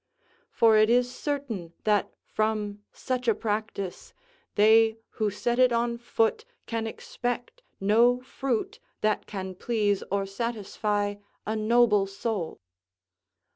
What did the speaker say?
For it is certain that from such a practice, they who set it on foot can expect no fruit that can please or satisfy a noble soul.